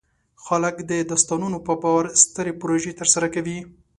خلک د داستانونو په باور سترې پروژې ترسره کوي.